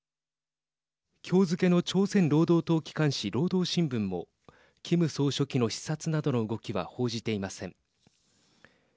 今日付けの朝鮮労働党機関紙、労働新聞もキム総書記の視察などの動きは報じていません。